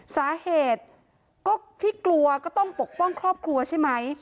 สาเหตุก็ที่กลัวก็ต้องปกป้องครอบครัวใช่ไหม